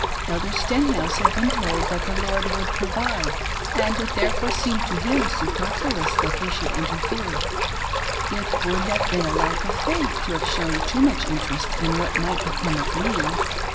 Elder Stenhouse had been told that "the Lord would provide," and it therefore seemed to him superfluous that he should interfere ; it would have been a lack of faith to have shown too much interest in what might become of me.